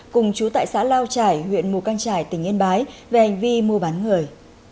cùng chú tại xã lao trải huyện mù căng trải tỉnh yên bái về hành vi mua bán người